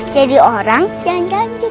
jadi orang yang